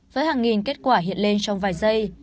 với hàng nghìn kết quả hiện lên trong vài giây